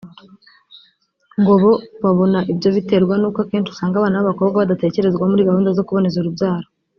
ngo bo babona ibyo biterwa n’uko akenshi usanga abana b’abakobwa badatekerezwaho muri gahunda zo kuboneza urubyaro